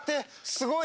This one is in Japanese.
すごい。